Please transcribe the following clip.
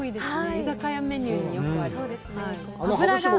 居酒屋メニューによくありますね。